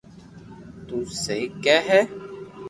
تو سھي ڪي ھي